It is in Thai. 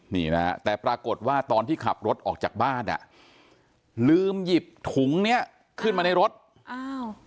นี่นะฮะแต่ปรากฏว่าตอนที่ขับรถออกจากบ้านอ่ะลืมหยิบถุงเนี้ยขึ้นมาในรถอ้าว